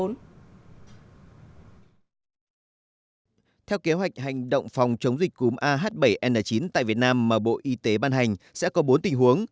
theo kế hoạch hành động phòng chống dịch cúm ah bảy n chín tại việt nam mà bộ y tế ban hành sẽ có bốn tình huống